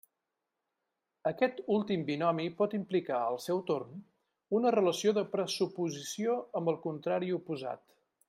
Aquest últim binomi pot implicar, al seu torn, una relació de pressuposició amb el contrari oposat.